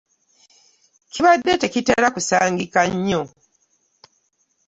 Kibadde tekitera kusangika nnyo.